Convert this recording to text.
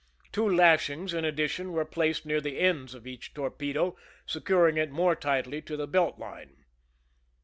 Two lashings in addition were placed near the ends of each torpedo, securing it more tightly to the belt line.